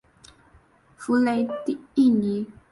弗雷蒂尼。